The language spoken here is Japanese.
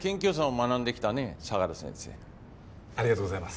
ありがとうございます。